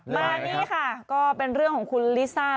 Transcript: มานี่ค่ะก็เป็นเรื่องของคุณลิซ่า